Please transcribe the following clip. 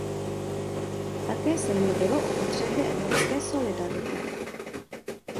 Také se mluvilo o potřebě evropské solidarity.